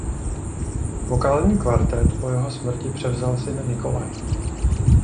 Vokální kvartet po jeho smrti převzal syn Nikolaj.